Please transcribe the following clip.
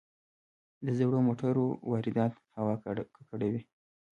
د زړو موټرو واردات هوا ککړوي.